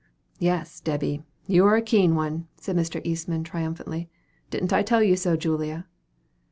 "Yes, Debby; you are a keen one," said Mr. Eastman triumphantly. "Didn't I tell you so, Julia?"